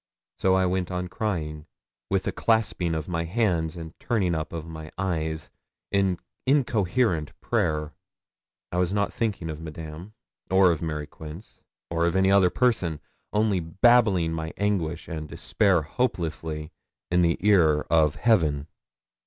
So I went on crying, with a clasping of my hands and turning up of my eyes, in incoherent prayer. I was not thinking of Madame, or of Mary Quince, or any other person, only babbling my anguish and despair helplessly in the ear of heaven.